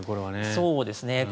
そうですね。